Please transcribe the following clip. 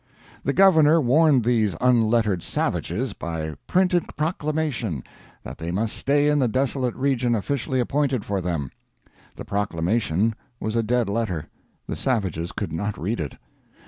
The governor warned these unlettered savages by printed proclamation that they must stay in the desolate region officially appointed for them! The proclamation was a dead letter; the savages could not read it.